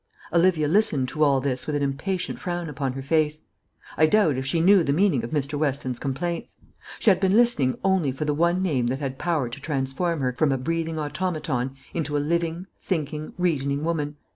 Olivia listened to all this with an impatient frown upon her face. I doubt if she knew the meaning of Mr. Weston's complaints. She had been listening only for the one name that had power to transform her from a breathing automaton into a living, thinking, reasoning woman.